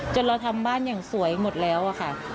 เราทำบ้านอย่างสวยหมดแล้วอะค่ะ